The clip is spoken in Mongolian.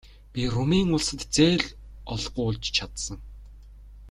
Би Румын улсад зээл олгуулж чадсан.